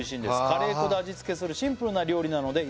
「カレー粉で味付けするシンプルな料理なので」